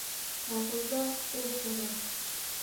Колхозда ул хужа.